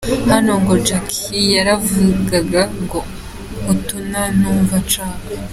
Hano ngo Jackie yaravugaga ngo: Utuma numva nshaka.